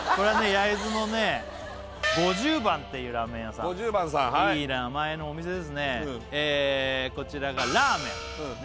焼津のね五十番っていうラーメン屋さんいい名前のお店ですねこちらがラーメンですね